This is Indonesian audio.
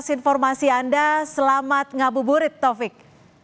informasi anda selamat ngabuburit taufik